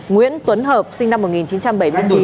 nguyễn tuấn hợp sinh năm một nghìn chín trăm bảy mươi chín